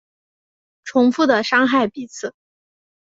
重复的伤害彼此